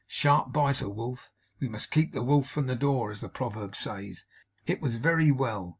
Sharp biter, Wolf. We must keep the Wolf from the door, as the proverb says." It was very well.